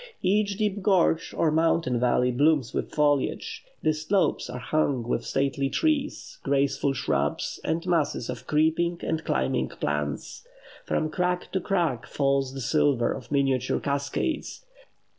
Each deep gorge or mountain valley blooms with foliage; the slopes are hung with stately trees, graceful shrubs, and masses of creeping and climbing plants; from crag to crag falls the silver of miniature cascades.